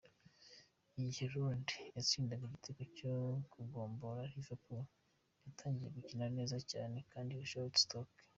Igihe Lallana yatsindaga igitego cyo kugombora, Liverpool yatangiye gukina neza cyane kandi irusha Stoke.